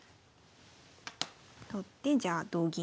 取ってじゃあ同銀。